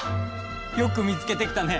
よく見つけてきたね！